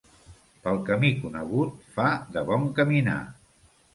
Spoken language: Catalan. Per camí conegut fa de bon caminar.